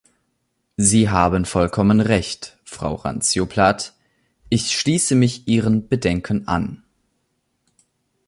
Sie haben vollkommen Recht, Frau Randzio-Plath, ich schließe mich Ihren Bedenken an.